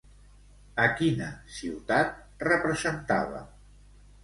A quina ciutat representava?